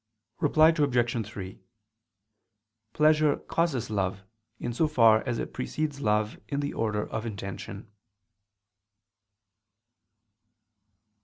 Reply Obj. 3: Pleasure causes love, in so far as it precedes love in the order of intention.